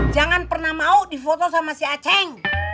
jangan pernah mau difoto sama si aceh